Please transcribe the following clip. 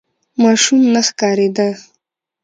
ماشوم نه ښکارېده.